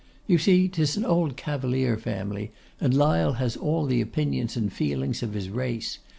You see 'tis an old Cavalier family, and Lyle has all the opinions and feelings of his race.